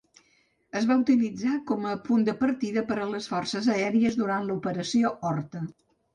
Es va utilitzar com a punt de partida per a les forces aèries durant l'Operació Horta.